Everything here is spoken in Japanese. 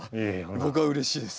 僕はうれしいです。